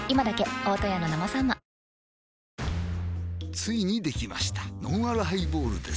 ついにできましたのんあるハイボールです